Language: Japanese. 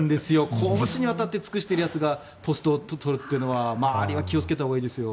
公私にわたって尽くしてるやつがポストを取るというのは周りは気をつけたほうがいいですよ。